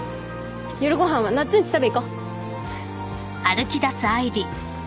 夜ご飯はなっつんち食べ行こう。